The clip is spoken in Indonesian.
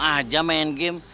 aja main game